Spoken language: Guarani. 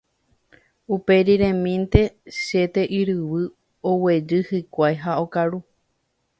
Uperiremínte siete yryvu oguejy hikuái ha okaru.